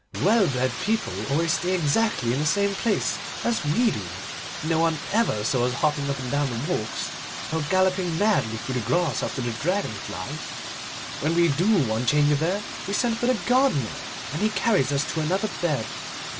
Well bred people always stay exactly in the same place, as we do. No one ever saw us hopping up and down the walks, or galloping madly through the grass after dragon flies. When we do want change of air, we send for the gardener, and he carries us to another bed.